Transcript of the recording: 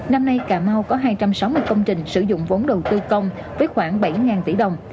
năm nay cà mau có hai trăm sáu mươi công trình sử dụng vốn đầu tư công với khoảng bảy tỷ đồng